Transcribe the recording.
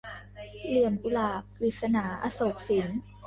เหลี่ยมกุหลาบ - กฤษณา อโศกสิน